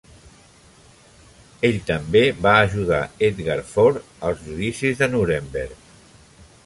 Ell també va ajudar Edgar Faure als Judicis de Nuremberg.